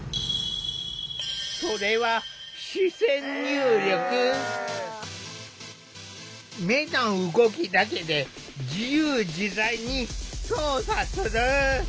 それは目の動きだけで自由自在に操作する。